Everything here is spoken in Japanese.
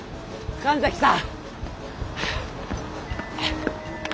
神崎さん！？